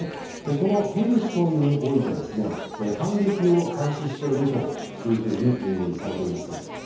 このヘルソンにおいて反撃を開始しているというふうにされています。